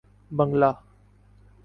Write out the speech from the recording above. بنگلہ